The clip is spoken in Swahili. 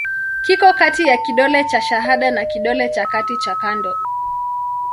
Kiko kati ya kidole cha shahada na kidole cha kati cha kando.